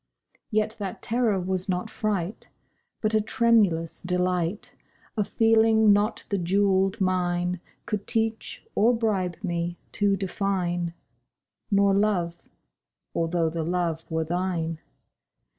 Yet that terror was not fright, But a tremulous delight— A feeling not the jewelled mine Could teach or bribe me to define— Nor Love—although the Love were thine.